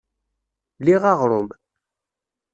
Liɣ aɣrum.